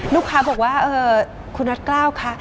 ลูกค้าบอกว่าคุณน็อตกล้าวคะ